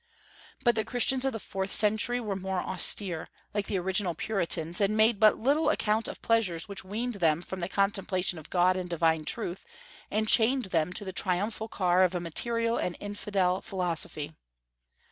But the Christians of the fourth century were more austere, like the original Puritans, and made but little account of pleasures which weaned them from the contemplation of God and divine truth, and chained them to the triumphal car of a material and infidel philosophy.